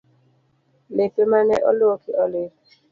Lepe mane oluoki olil